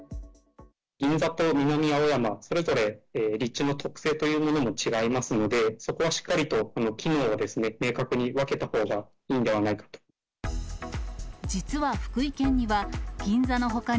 銀座と南青山、それぞれ立地の特性というものも違いますので、そこはしっかりと機能を明確に分けたほうがいいんではないかと。